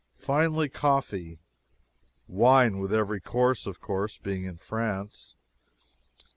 finally coffee. Wine with every course, of course, being in France.